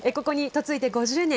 ここに嫁いで５０年。